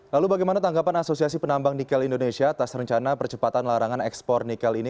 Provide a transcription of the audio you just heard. lalu bagaimana tanggapan asosiasi penambang nikel indonesia atas rencana percepatan larangan ekspor nikel ini